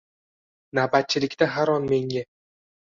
Navbatchilikda har on menga